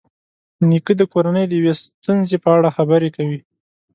نیکه د کورنۍ د یوې ستونزې په اړه خبرې کوي.